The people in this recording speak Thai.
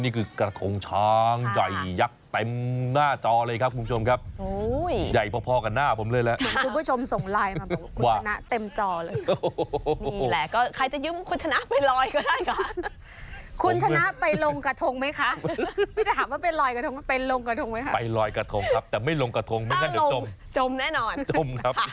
นี่คือกระทงช้างใหญ่ยักษ์เต็มหน้าจอเลยครับคุณผู้ชมครับ